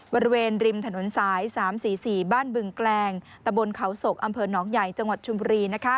บริเวณริมถนนสาย๓๔๔บ้านบึงแกลงตะบนเขาศกอำเภอหนองใหญ่จังหวัดชุมบุรี